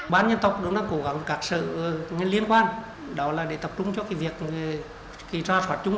bán nhân tộc cũng đã cố gắng các sự liên quan đó là để tập trung cho cái việc ra soát chung